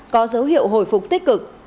có dấu hiệu hồi phục tích cực